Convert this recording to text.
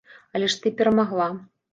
Але ж ты перамагла.